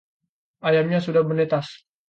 ayamnya sudah menetas